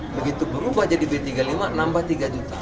begitu berubah jadi b tiga puluh lima nambah tiga juta